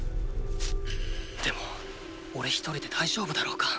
でもおれ一人で大丈夫だろうか？